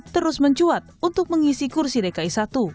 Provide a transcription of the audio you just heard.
terus mencuat untuk mengisi kursi dki satu